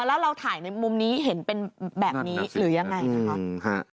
แล้วเราถ่ายในมุมนี้เห็นเป็นแบบนี้หรือยังไงนะคะ